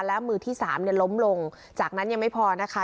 แล้วมือที่สามเนี่ยล้มลงจากนั้นยังไม่พอนะคะ